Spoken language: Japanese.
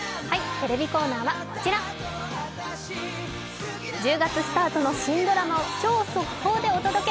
テレビコーナーはこちら、１０月スタートの新ドラマを超速報でお届け。